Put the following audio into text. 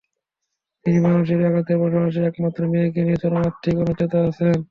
তিনি মানসিক আঘাতের পাশাপাশি একমাত্র মেয়েকে নিয়ে চরম আর্থিক অনিশ্চয়তায় আছেন।